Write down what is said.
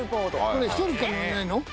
これ１人しか乗れないの？